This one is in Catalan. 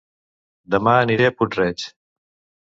Dema aniré a Puig-reig